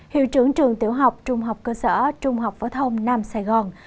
hiệu trưởng trường tiểu học trung học cơ sở trung học phổ thông nam sài gòn